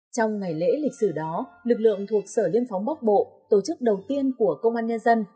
trong ngày lễ lịch sử đó lực lượng thuộc sở liên phóng bóc bộ tổ chức đầu tiên của công an nhân dân